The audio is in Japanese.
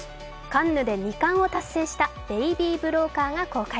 カンヌで２冠を達成した「ベイビー・ブローカー」が公開。